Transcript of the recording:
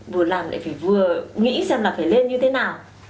vừa làm lại vừa nghĩ xem là phải lên như thế nào